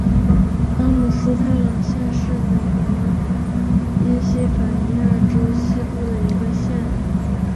阿姆斯特朗县是美国宾夕法尼亚州西部的一个县。